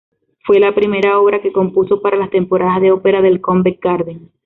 Fue la primera obra que compuso para las temporadas de ópera del Covent Garden.